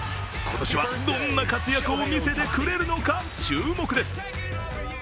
今年はどんな活躍を見せてくれるのか注目です。